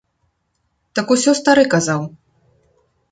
Так усё стары казаў.